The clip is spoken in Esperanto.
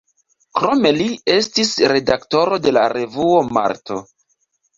Krome li estis redaktoro de la revuo „Marto“.